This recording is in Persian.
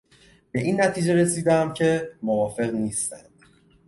به این نتیجه رسیدهام که موافق نیستند.